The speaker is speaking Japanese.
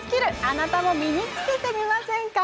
あなたも身につけてみませんか？